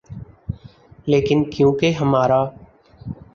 لیکن کیونکہ ہمارا